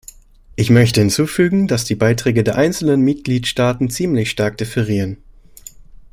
Ich möchte hinzufügen, dass die Beiträge der einzelnen Mitgliedstaaten ziemlich stark differieren.